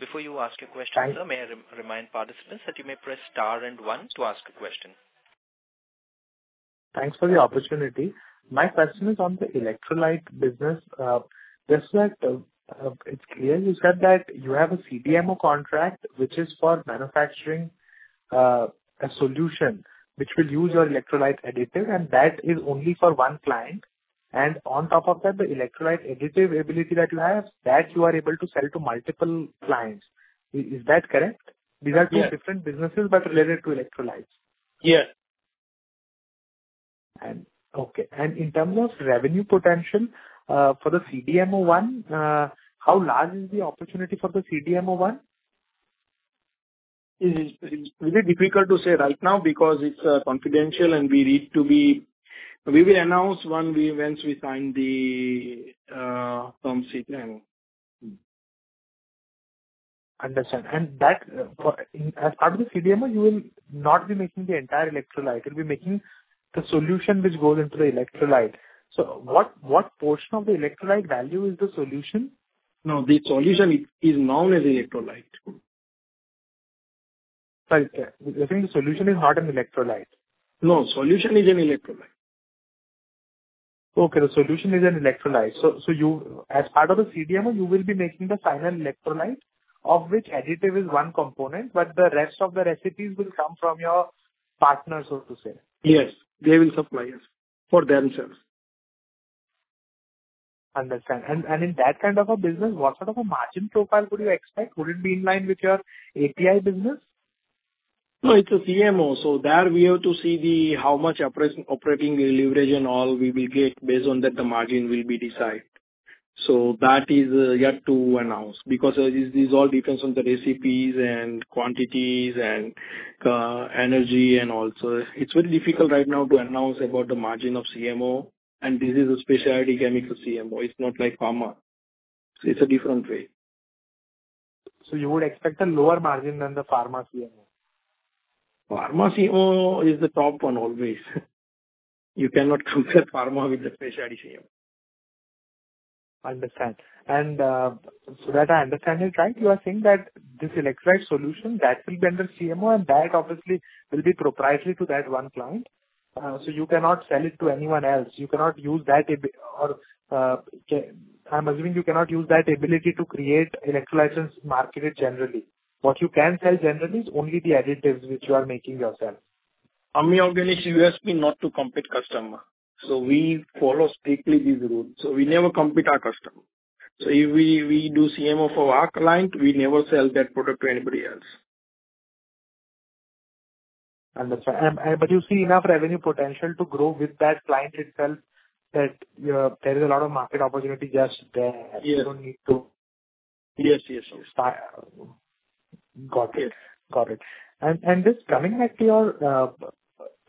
Before you ask your question, sir, may I remind participants that you may press star and one to ask a question? Thanks for the opportunity. My question is on the electrolyte business. It's clear you said that you have a CDMO contract which is for manufacturing a solution which will use your electrolyte additive. And that is only for one client. And on top of that, the electrolyte additive ability that you have, that you are able to sell to multiple clients. Is that correct? These are two different businesses but related to electrolytes. Yes. Okay. And in terms of revenue potential for the CDMO one, how large is the opportunity for the CDMO one? It is difficult to say right now because it's confidential. And we need to be we will announce once we sign the term sheet. Understand. And as part of the CDMO, you will not be making the entire electrolyte. You'll be making the solution which goes into the electrolyte. So what portion of the electrolyte value is the solution? No. The solution is known as electrolyte. Sorry. You're saying the solution is not an electrolyte? No. Solution is an electrolyte. Okay. The solution is an electrolyte. So as part of the CDMO, you will be making the final electrolyte of which additive is one component. But the rest of the recipes will come from your partners, so to say? Yes. They will supply us for themselves. Understand. And in that kind of a business, what sort of a margin profile would you expect? Would it be in line with your API business? No. It's a CMO. So there, we have to see how much operating leverage and all we will get based on that the margin will be decided. So that is yet to announce because these all depend on the recipes and quantities and energy and all. So it's very difficult right now to announce about the margin of CMO. And this is a specialty chemical CMO. It's not like pharma. So it's a different way. So you would expect a lower margin than the pharma CMO? Pharma CMO is the top one always. You cannot compare pharma with the specialty CMO. Understand. And so that I understand it right, you are saying that this electrolyte solution, that will be under CMO. And that, obviously, will be proprietary to that one client. So you cannot sell it to anyone else. You cannot use that or I'm assuming you cannot use that ability to create electrolytes and market it generally. What you can sell generally is only the additives which you are making yourself. Ami Organics USP not to compete customer. So we follow strictly this rule. So we never compete our customer. So if we do CMO for our client, we never sell that product to anybody else. Understand. But you see enough revenue potential to grow with that client itself that there is a lot of market opportunity just there. You don't need to. Yes. Yes. Yes. Got it. Got it. And just coming back to your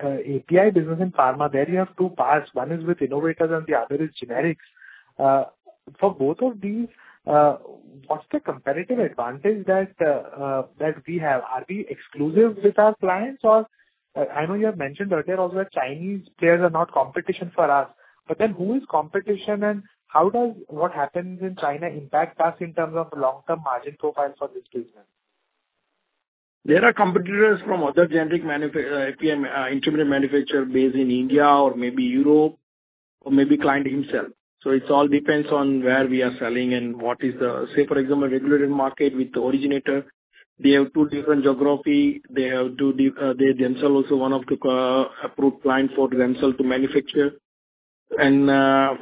API business in pharma, there, you have two parts. One is with innovators. And the other is generics. For both of these, what's the competitive advantage that we have? Are we exclusive with our clients? Or I know you have mentioned earlier also that Chinese players are not competition for us. But then who is competition? And what happens in China impacts us in terms of the long-term margin profile for this business? There are competitors from other generic intermediate manufacturers based in India or maybe Europe or maybe the client himself. So it all depends on where we are selling and what is the say, for example, regulated market with the originator. They have two different geographies. They have to themselves also one of the approved clients for themselves to manufacture. And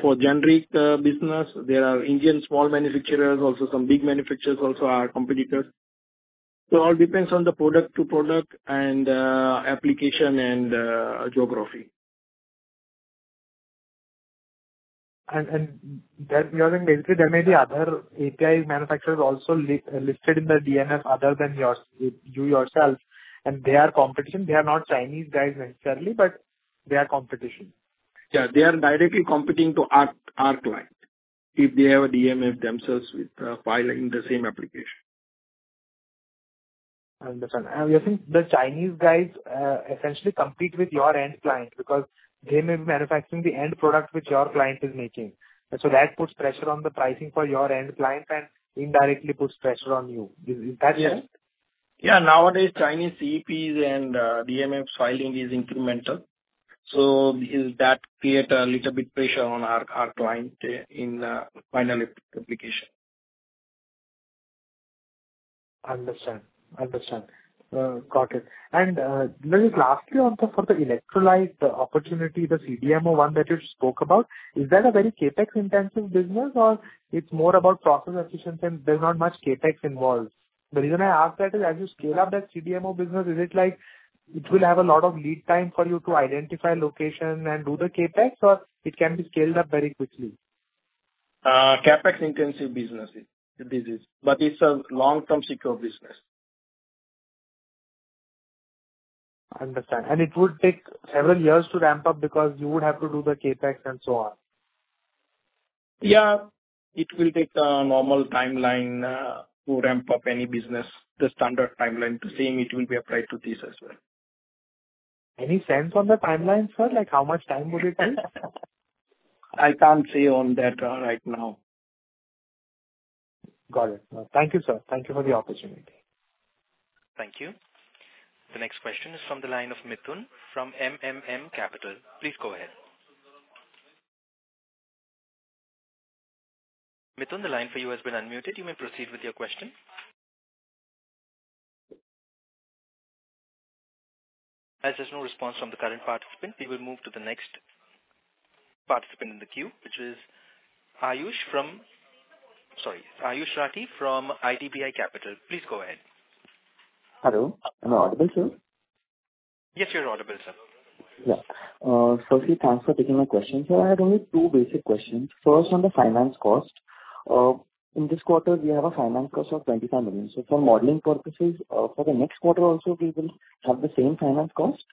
for generic business, there are Indian small manufacturers. Also, some big manufacturers also are competitors. So it all depends on the product-to-product and application and geography. And you're saying basically, there may be other API manufacturers also listed in the DMF other than you yourself. And they are competition. They are not Chinese guys necessarily. But they are competition. Yeah. They are directly competing to our client if they have a DMF themselves filing the same application. I understand. And you're saying the Chinese guys essentially compete with your end client because they may be manufacturing the end product which your client is making. So that puts pressure on the pricing for your end client and indirectly puts pressure on you. Is that correct? Yes. Yeah. Nowadays, Chinese CEPs and DMFs filing is incremental. So does that create a little bit pressure on our client in the final application? Understand. Understand. Got it. And just lastly, for the electrolyte, the opportunity, the CDMO one that you spoke about, is that a very CapEx-intensive business? Or it's more about process efficiency and there's not much CapEx involved? The reason I ask that is as you scale up that CDMO business, is it like it will have a lot of lead time for you to identify location and do the CapEx? Or it can be scaled up very quickly? CapEx-intensive business. But it's a long-term secure business. Understand. It would take several years to ramp up because you would have to do the CapEx and so on? Yeah. It will take a normal timeline to ramp up any business, the standard timeline. The same, it will be applied to this as well. Any sense on the timeline, sir? How much time would it take? I can't say on that right now. Got it. Thank you, sir. Thank you for the opportunity. Thank you. The next question is from the line of Mithun from Capital. Please go ahead. Mithun, the line for you has been unmuted. You may proceed with your question. As there's no response from the current participant, we will move to the next participant in the queue which is Ayush from sorry, Ayush Rathi from IDBI Capital. Please go ahead. Hello. Am I audible, sir? Yes. You're audible, sir. Yeah. Sophie, thanks for taking my question, sir. I had only two basic questions. First, on the finance cost. In this quarter, we have a finance cost of 25 million. So for modeling purposes, for the next quarter also, we will have the same finance cost?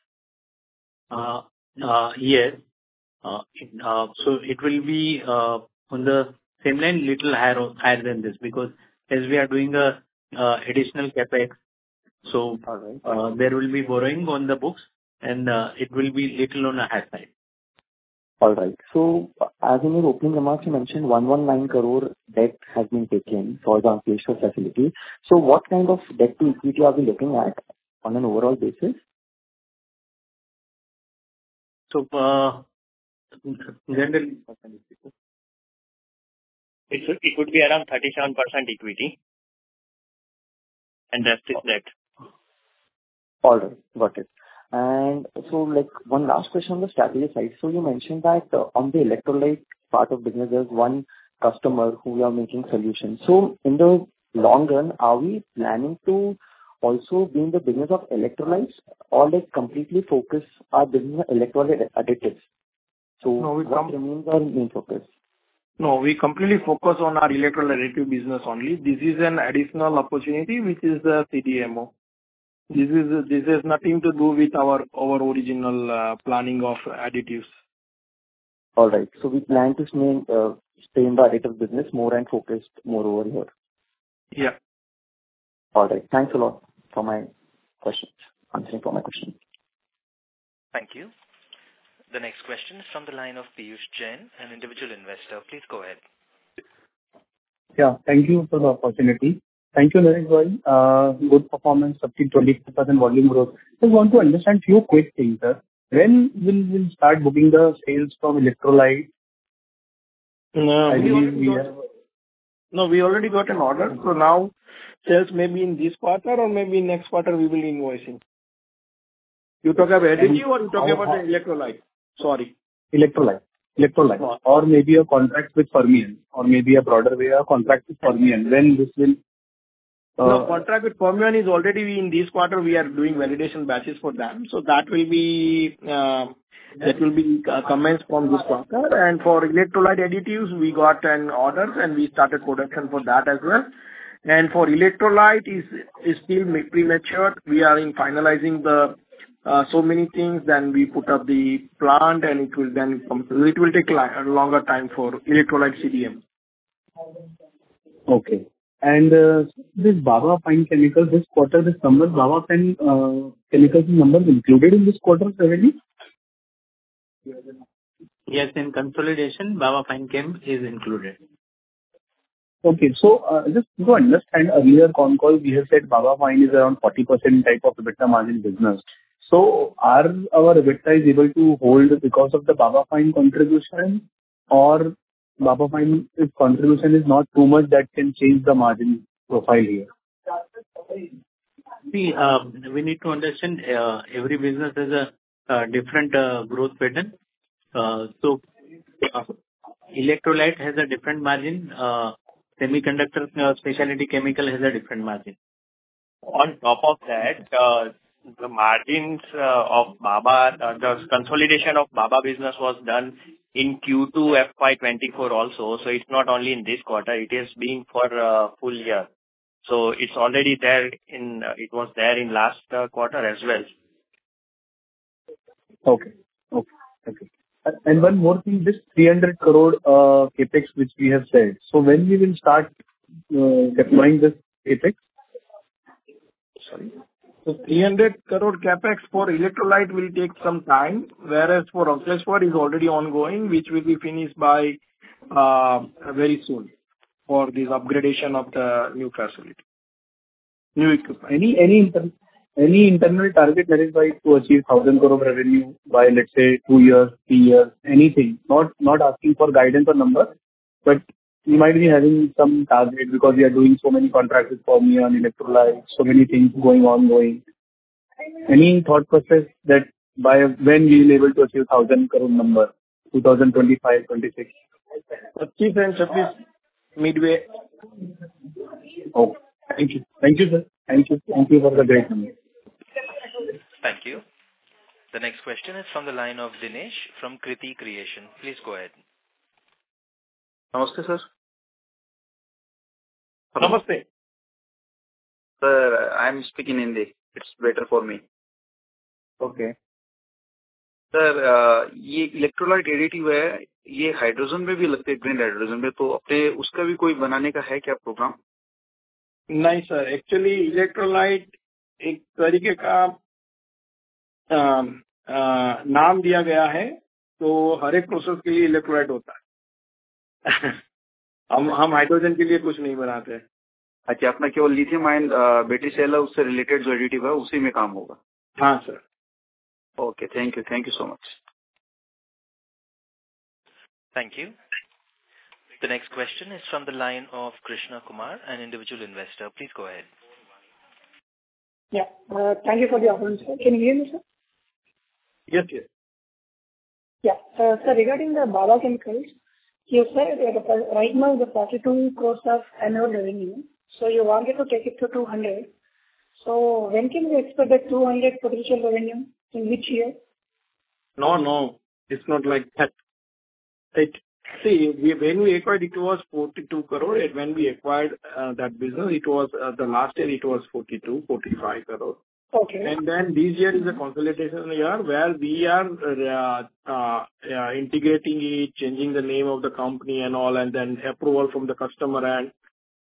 Yes. So it will be on the same line, a little higher than this because as we are doing additional CapEx, so there will be borrowing on the books. And it will be a little on the high side. All right. So as in your opening remarks, you mentioned 119 crore debt has been taken for the Ankleshwar facility. What kind of debt to equity are we looking at on an overall basis? So generally. Percent equity? It would be around 37% equity. And that's this debt. All right. Got it. And so one last question on the strategy side. So you mentioned that on the electrolyte part of business, there's one customer who you are making solutions. So in the long run, are we planning to also be in the business of electrolytes or completely focus our business on electrolyte additives? So what remains our main focus? No. We completely focus on our electrolyte additive business only. This is an additional opportunity which is the CDMO. This has nothing to do with our original planning of additives. All right. So we plan to stay in the additive business more and focus more over here? Yeah. All right. Thanks a lot for answering for my question. Thank you. The next question is from the line of Piyush Jain, an individual investor. Please go ahead. Yeah. Thank you for the opportunity. Thank you, Nareshbhai. Good performance, up to 25% volume growth. I just want to understand a few quick things, sir. When will we start booking the sales from electrolyte? No. We already got an order. So now sales may be in this quarter. Or maybe next quarter, we will be invoicing. You talk about additive or you talk about the electrolyte? Sorry. Electrolyte. Electrolyte. Or maybe a contract with Fermion. Or maybe a broader way, a contract with Fermion. When this will? The contract with Fermion is already in this quarter. We are doing validation batches for them. So that will be comments from this quarter. And for electrolyte additives, we got an order. And we started production for that as well. And for electrolyte, it's still premature. We are finalizing so many things. Then we put up the plant. And it will then come so it will take a longer time for electrolyte CDMO. Okay. And this Baba Fine Chemicals, this quarter, this summer, Baba Fine Chemicals's number included in this quarter already? Yes. In consolidation, Baba Fine Chemicals is included. Okay. So just to understand earlier on call, we have said Baba Fine is around 40% type of EBITDA margin business. So are our EBITDAs able to hold because of the Baba Fine contribution? Or Baba Fine's contribution is not too much that can change the margin profile here? See, we need to understand every business has a different growth pattern. So electrolyte has a different margin. Semiconductor specialty chemical has a different margin. On top of that, the margins of Baba, the consolidation of Baba business was done in Q2 FY2024 also. So it's not only in this quarter. It has been for a full year. So it's already there. It was there in last quarter as well. Okay. Okay. Okay. One more thing, this 300 crore CapEx which we have said. So when will we start deploying this CapEx? Sorry? So INR 300 crore CapEx for electrolyte will take some time. Whereas for Ankleshwar is already ongoing which will be finished very soon for this upgradation of the new facility. Any internal target, Nareshbhai, to achieve 1,000 crore revenue by, let's say, two years, three years, anything? Not asking for guidance or numbers. But we might be having some target because we are doing so many contracts with Fermion, electrolytes, so many things going ongoing. Any thought process that when we will be able to achieve 1,000 crore number 2025, 2026? 25 and 26 midway. Okay. Thank you. Thank you, sir. Thank you. Thank you for the great number. Thank you. The next question is from the line of Dinesh from Kriti Creation. Please go ahead. Namaste, sir. Namaste. Sir, I'm speaking Hindi. It's better for me. Okay. Sir, ये electrolyte additive है, ये hydrogen में भी लगते हैं, green hydrogen में। तो उसका भी कोई बनाने का है क्या प्रोग्राम? नहीं, sir. Actually, electrolyte एक तरीके का नाम दिया गया है। तो हर एक प्रोसेस के लिए electrolyte होता है। हम हाइड्रोजन के लिए कुछ नहीं बनाते हैं। अच्छा, अपना केवल लिथियम आयन बैटरी सेल है, उससे रिलेटेड जो additive है, उसी में काम होगा? हाँ, sir. Okay. Thank you. Thank you so much. Thank you. The next question is from the line of Krishna Kumar, an individual investor. Please go ahead. Yeah. Thank you for the opportunity, sir. Can you hear me, sir? Yes. Yes. Yeah. Sir, regarding the Baba Fine Chemicals, you said right now, the 42 crore of annual revenue. So you wanted to take it to 200 crore. So when can we expect that 200 crore potential revenue? In which year? No. No. It's not like that. See, when we acquired, it was 42 crore. When we acquired that business, it was the last year, it was 42-45 crore. And then this year is a consolidation year where we are integrating it, changing the name of the company and all, and then approval from the customer end.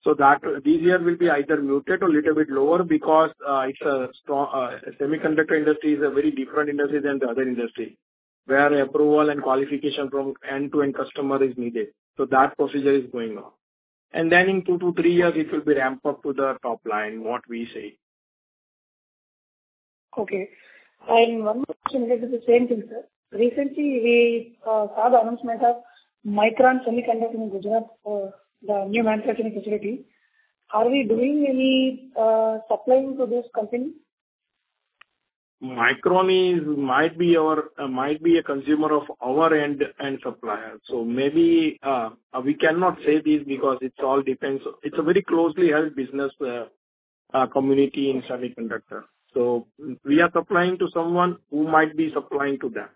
So this year will be either muted or a little bit lower because semiconductor industry is a very different industry than the other industry where approval and qualification from end-to-end customer is needed. So that procedure is going on. And then in two to three years, it will be ramped up to the top line, what we say. Okay. One more question. This is the same thing, sir. Recently, we saw the announcement of Micron in Gujarat for the new manufacturing facility. Are we doing any supplying to this company? Micron might be a consumer of our end and supplier. So maybe we cannot say this because it all depends. It's a very closely held business community in semiconductor. So we are supplying to someone who might be supplying to them.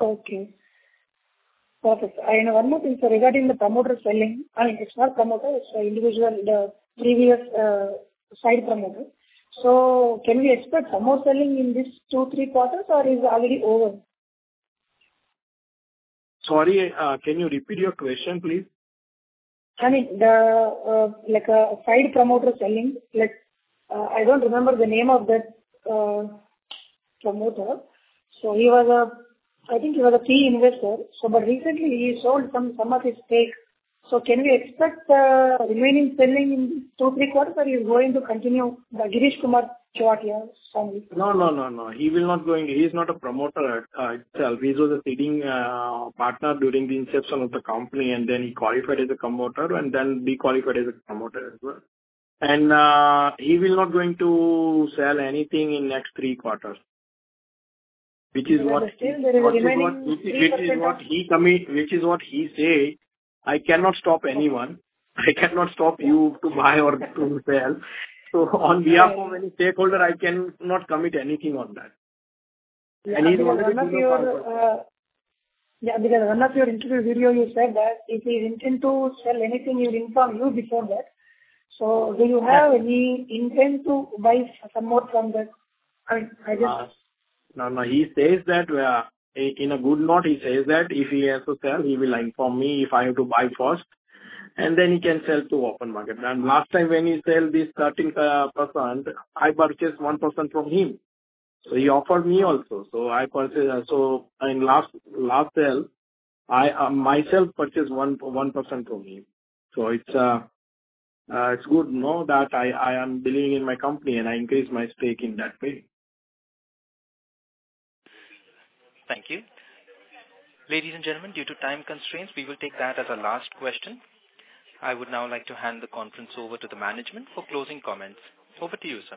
Okay. Perfect. And one more thing, sir. Regarding the promoter selling I mean, it's not promoter. It's a previous side promoter. So can we expect some more selling in these two, three quarters? Or is it already over? Sorry. Can you repeat your question, please? I mean, the side promoter selling I don't remember the name of that promoter. So I think he was a key investor. But recently, he sold some of his stake. So can we expect the remaining selling in two, three quarters? Or he's going to continue the Girishkumar Chovatia? No. No. No. No. He will not going to. He's not a promoter itself. He was a seating partner during the inception of the company. And then he qualified as a promoter and then dequalified as a promoter as well. And he will not going to sell anything in the next three quarters, which is what. But still, there is a remaining. Which is what he say, "I cannot stop anyone. I cannot stop you to buy or to sell." So on behalf of any stakeholder, I cannot commit anything on that. Yeah. And one of your, yeah. Because in one of your interview video, you said that if he is intent to sell anything, he will inform you before that. So, do you have any intent to buy some more from that? I mean, I just. No. No. He says that in a good note, he says that if he has to sell, he will inform me if I have to buy first. And then he can sell to open market. And last time when he sell this 13%, I purchased 1% from him. So he offered me also. So in last sale, I myself purchased 1% from him. So it's good to know that I am believing in my company and I increase my stake in that way. Thank you. Ladies and gentlemen, due to time constraints, we will take that as a last question. I would now like to hand the conference over to the management for closing comments. Over to you, sir.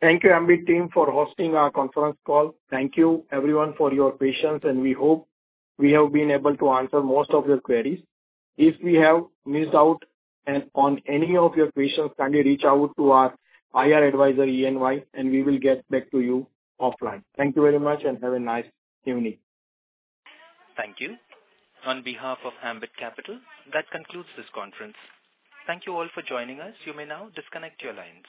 Thank you, Ambit Team, for hosting our conference call. Thank you, everyone, for your patience. We hope we have been able to answer most of your queries. If we have missed out on any of your questions, kindly reach out to our IR advisor, ENY. We will get back to you offline. Thank you very much. Have a nice evening. Thank you. On behalf of Ambit Capital, that concludes this conference. Thank you all for joining us. You may now disconnect your lines.